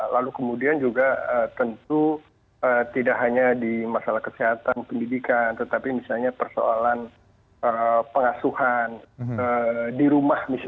lalu kemudian juga tentu tidak hanya di masalah kesehatan pendidikan tetapi misalnya persoalan pengasuhan di rumah